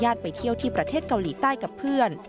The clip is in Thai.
ไปเที่ยวที่ประเทศเกาหลีใต้กับเพื่อน